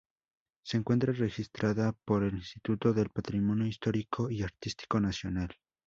Se encuentra registrada por el Instituto del Patrimonio Histórico y Artístico Nacional.